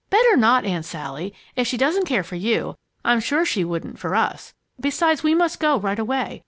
"Better not, Aunt Sally. If she doesn't care for you, I'm sure she wouldn't for us. Besides, we must go right away.